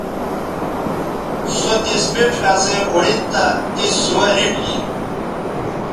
سو تس بِڇ کسئ اوڑید تہ تس سوہ ریٹ گی